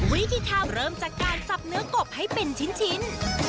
วิธีทำเริ่มจากการสับเนื้อกบให้เป็นชิ้น